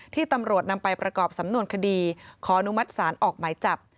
ที่ตำรวจนำไปประกอบสำนวนคดีขออนุมัติศาลออกหมายจับ